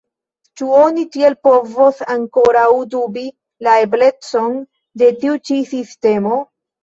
Ĉu oni tiel povos ankoraŭ dubi la eblecon de tiu ĉi sistemo?